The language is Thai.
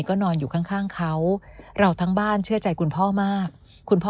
ก็นอนอยู่ข้างเขาเราทั้งบ้านเชื่อใจคุณพ่อมากคุณพ่อ